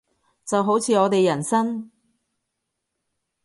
就好似我哋人生